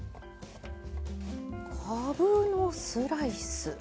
かぶのスライス。